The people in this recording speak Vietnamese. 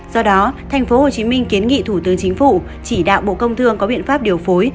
do đó tp hcm kiến nghị thủ tướng chính phủ chỉ đạo bộ công thương có biện pháp điều phối